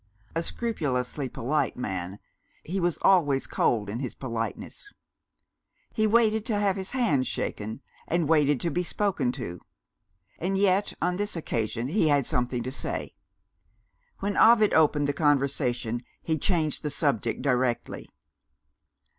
A scrupulously polite man, he was always cold in his politeness. He waited to have his hand shaken, and waited to be spoken to. And yet, on this occasion, he had something to say. When Ovid opened the conversation, he changed the subject directly.